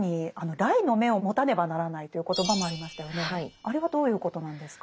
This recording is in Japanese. あれはどういうことなんですか？